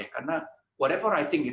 karena apa pun yang saya pikirkan baik